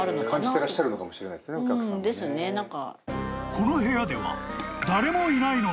［この部屋では］